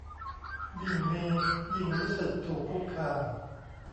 ยิ่งมียิ่งรู้สึกถูกคุกคาม